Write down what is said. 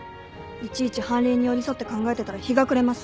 いちいち判例に寄り添って考えてたら日が暮れます。